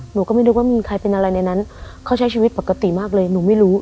หนูก็ไม่นึกว่ามีใครเป็นอะไรในนั้นเขาใช้ชีวิตปกติมากเลยหนูไม่รู้